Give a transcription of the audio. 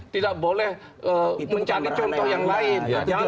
tidak boleh mencari contoh yang lain